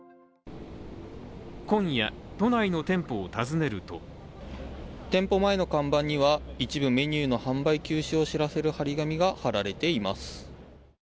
今夜、都内の店舗を訪ねると店舗前の看板には、一部メニューの販売休止を知らせる貼り紙が貼られています。